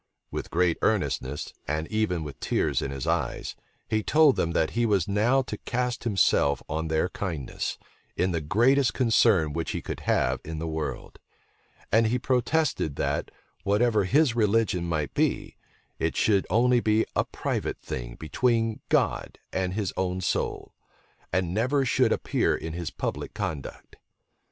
With great earnestness, and even with tears in his eyes, he told them that he was now to cast himself on their kindness, in the greatest concern which he could have in the world; and he protested, that, whatever his religion might be, it should only be a private thing between God and his own soul, and never should appear in his public conduct.